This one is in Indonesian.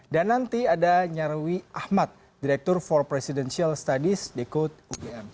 dan nanti ada nyarwi ahmad direktur for presidential studies dekut ugm